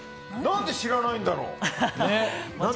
何で知らないんだろう！